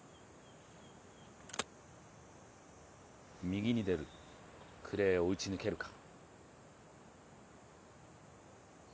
右に出るクレーを撃ち抜けるか。